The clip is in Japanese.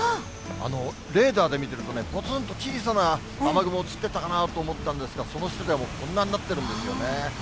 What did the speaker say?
レーダーで見ているとね、ぽつんと小さな雨雲うつってたかなと思ったんですが、その下ではこんなになっているんですよね。